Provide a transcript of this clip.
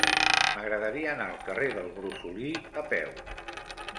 M'agradaria anar al carrer del Brosolí a peu.